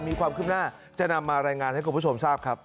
มีความคืบหน้าจะนำมารายงานให้คุณผู้ชมทราบครับ